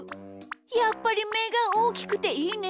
やっぱりめがおおきくていいね。